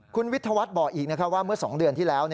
คุณวิทยาวัฒน์บอกอีกว่าเมื่อ๒เดือนที่แล้ว